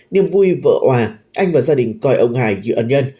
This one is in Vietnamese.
niềm vui vợ hòa anh và gia đình coi ông hải như ẩn nhân